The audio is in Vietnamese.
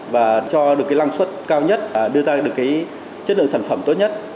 và cho được cái lăng xuất cao nhất và đưa ra được cái chất lượng sản phẩm tốt nhất